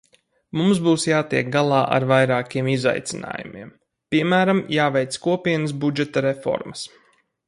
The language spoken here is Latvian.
Mums būs jātiek galā ar vairākiem izaicinājumiem, piemēram, jāveic Kopienas budžeta reformas.